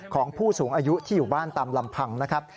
ของผู้สูงอายุที่อยู่บ้านตามลำพังนะครับ